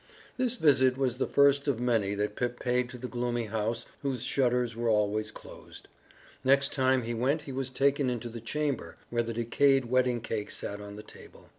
This visit was the first of many that Pip paid to the gloomy house whose shutters were always closed. Next time he went he was taken into the chamber where the decayed wedding cake sat on the table.